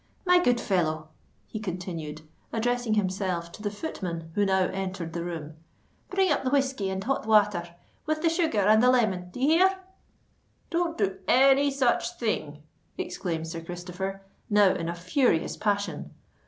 My good fellow," he continued, addressing himself to the footman who now entered the room, "bring up the whiskey and hot wather; with the sugar and a lemon—d'ye hear?" "Don't do any such thing," exclaimed Sir Christopher, now in a furious passion.